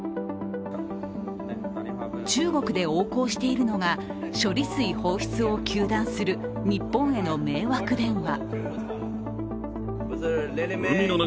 中国で横行しているのが処理水放出を糾弾する日本への迷惑電話。